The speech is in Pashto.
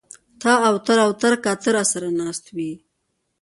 تااو تراو تر کا ته را سر ه ناست وې